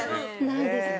◆ないですね。